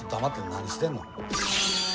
何してんの？